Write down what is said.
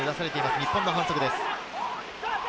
日本の反則です。